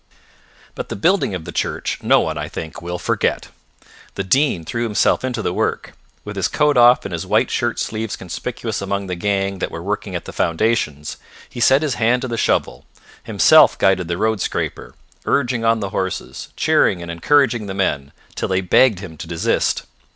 But the building of the church, no one, I think, will forget. The Dean threw himself into the work. With his coat off and his white shirt sleeves conspicuous among the gang that were working at the foundations, he set his hand to the shovel, himself guided the road scraper, urging on the horses; cheering and encouraging the men, till they begged him to desist.